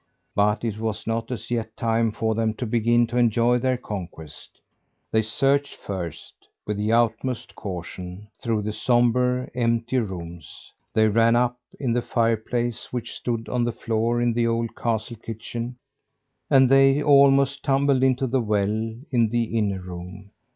But it was not as yet time for them to begin to enjoy their conquest. They searched first, with the utmost caution, through the sombre, empty rooms. They ran up in the fireplace, which stood on the floor in the old castle kitchen, and they almost tumbled into the well, in the inner room.